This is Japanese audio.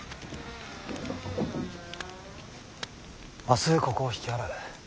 明日ここを引き払う。